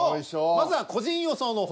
まずは個人予想の方